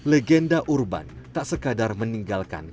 legenda urban tak sekadar meninggalkan